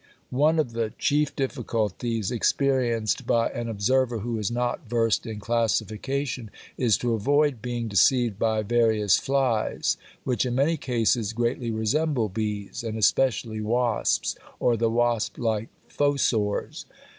One of the chief difficulties experienced by an observer who is not versed in classification is to avoid being deceived by various flies, which in many cases greatly resemble bees, and especially wasps or the wasp like fossors.